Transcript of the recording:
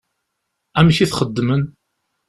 Amek i t-xeddmen?